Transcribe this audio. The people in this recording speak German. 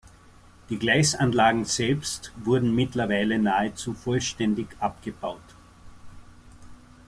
Die Gleisanlagen selbst wurden mittlerweile nahezu vollständig abgebaut.